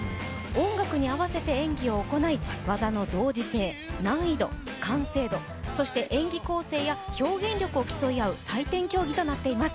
音楽に合わせて演技を行い技の同時性難易度、完成度そして演技構成や表現力を競い合う採点競技となっています。